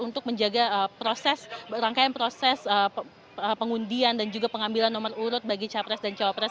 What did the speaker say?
untuk menjaga proses rangkaian proses pengundian dan juga pengambilan nomor urut bagi capres dan cawapres